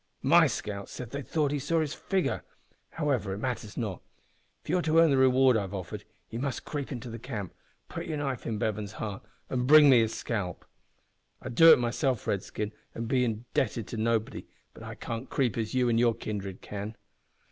"My scouts said they thought it was his figure they saw. However, it matters not. If you are to earn the reward I have offered, you must creep into the camp, put your knife in Bevan's heart, and bring me his scalp. I would do it myself, redskin, and be indebted to nobody, but I can't creep as you and your kindred can."